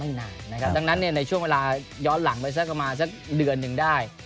นานนะครับดังนั้นเนี่ยในช่วงเวลาย้อนหลังไปสักประมาณสักเดือนหนึ่งได้